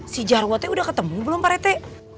si jarwo teh udah ketemu belum pak rete